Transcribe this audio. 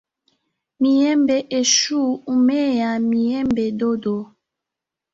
Mihembe echu humea mihembe dodo.